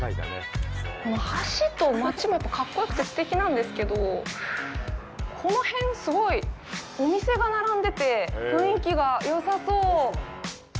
この橋と街も格好よくてすてきなんですけどこの辺、すごいお店が並んでて雰囲気がよさそう。